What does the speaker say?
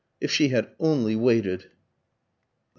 If she had only waited!